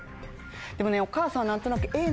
でもねお母さん何となく。